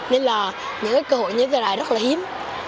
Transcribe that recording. nên là những cái cơ hội như thế này rất là hiếm